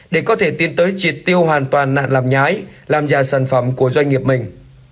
để có thể tiến tới triệt tiêu hoàn toàn nạn làm nhái làm giả sản phẩm của doanh nghiệp mình